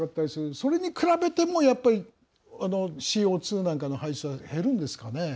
それに比べてもやっぱり、ＣＯ２なんかの排出は減るんですかね。